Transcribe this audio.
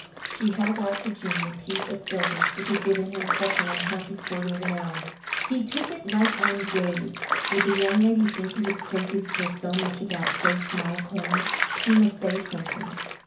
She held out to Jim the piece of silver which had given him such an unhappy quarter of an hour. He took it like one dazed. Would the young lady think he was crazy to care so much about so small a coin? He must say something.